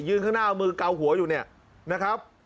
ยืนข้างหน้าเอามือเกาหัวอยู่นะครับ